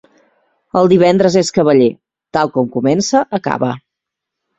El divendres és cavaller: tal com comença, acaba.